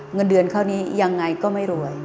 เงินเดือนเท่านี้ยังไงก็ไม่รวย